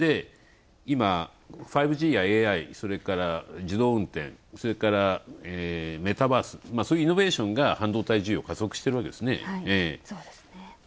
今、５ＧやＡＩ、それから自動運転それからメタバース、そういうイノベーションが半導体需要を加速しているわけですね。